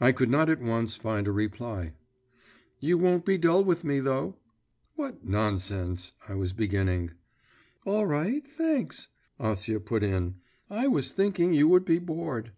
I could not at once find a reply. 'You won't be dull with me, though?' 'What nonsense,' I was beginning.… 'All right, thanks!' Acia put in; 'I was thinking you would be bored.